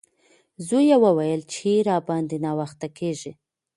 زوی یې وویل چې راباندې ناوخته کیږي.